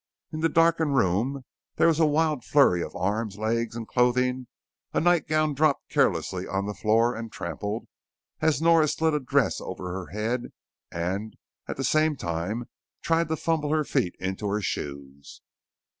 In the darkened room there was a wild flurry of arms, legs, and clothing, a nightgown dropped carelessly on the floor and trampled as Nora slid a dress over her head and at the same time tried to fumble her feet into her shoes.